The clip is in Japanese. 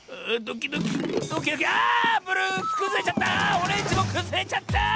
オレンジもくずれちゃった！